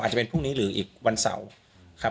จะเป็นพรุ่งนี้หรืออีกวันเสาร์ครับ